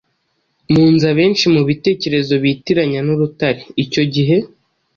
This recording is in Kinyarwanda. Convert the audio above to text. mu nzu abenshi mu bitekerezo bitiranya n’urutare. Icyo gihe